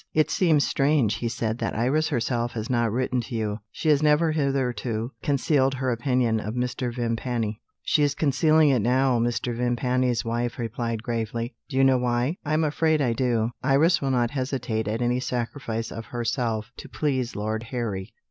"It seems strange," he said, "that Iris herself has not written to you. She has never hitherto concealed her opinion of Mr. Vimpany." "She is concealing it now," Mr. Vimpany's wife replied gravely. "Do you know why?" "I am afraid I do. Iris will not hesitate at any sacrifice of herself to please Lord Harry.